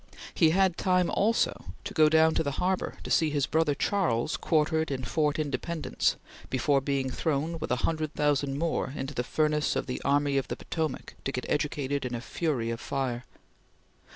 He had time also to go down the harbor to see his brother Charles quartered in Fort Independence before being thrown, with a hundred thousand more, into the furnace of the Army of the Potomac to get educated in a fury of fire.